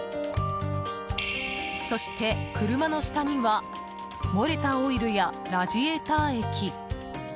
そして、車の下には漏れたオイルやラジエーター液。